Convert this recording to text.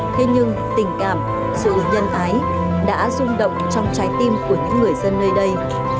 thế nhưng tình cảm sự nhân ái đã rung động trong trái tim của những người dân nơi đây